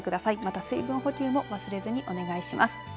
また水分補給も忘れずにお願いします。